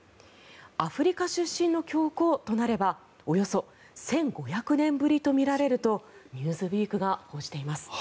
アフリカ出身の教皇となればおよそ１５００年ぶりとみられると「ニューズウィーク」が報じています。